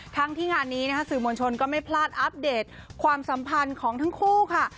ทั้งที่งานนี้นะคะสื่อมวลชนก็ไม่พลาดอัปเดตความสัมพันธ์ของทั้งคู่ค่ะ